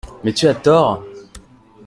Mais tu as tort !